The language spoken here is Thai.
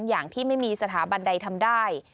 อย่างที่ไม่มีสถาบันใดทำได้